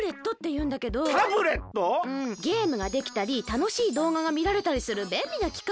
うんゲームができたりたのしいどうががみられたりするべんりなきかいなの。